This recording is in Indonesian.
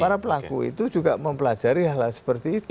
para pelaku itu juga mempelajari hal hal seperti itu